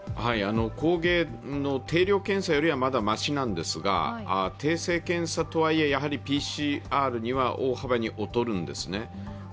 抗原の定量検査よりはまだましなんですが、定性検査とはいえ、やはりＰＣＲには大幅に劣るんですね。